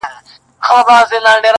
• پلمې نه غواړي څېرلو ته د وریانو -